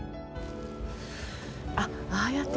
あっああやって。